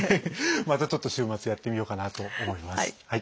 またちょっと週末やってみようかなと思います。